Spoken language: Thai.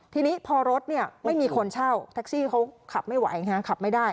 ทีนี้พอรถเนี่ยไม่มีคนเช่าแท็กซี่เขาขับไม่ไหวขับไม่ได้